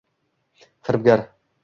Firibgar!